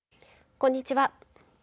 こんにちは。